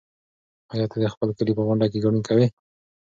ایا ته د خپل کلي په غونډه کې ګډون کوې؟